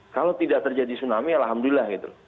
kalau tidak terjadi tsunami alhamdulillah gitu